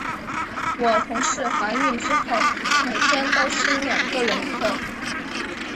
我同事怀孕之后，每天都吃两个人的份。